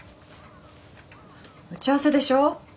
打ち合わせでしょ。